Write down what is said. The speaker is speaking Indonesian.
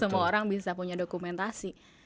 semua orang bisa punya dokumentasi